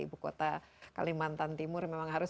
ibu kota kalimantan timur memang harus